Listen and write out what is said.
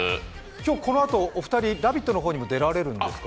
今日このあと、お二人「ラヴィット！」の方にも出られるんですか？